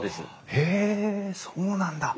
へえそうなんだ！